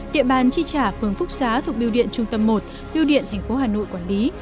địa bàn chi trả phường phúc xá thuộc biêu điện trung tâm một biêu điện tp hà nội quản lý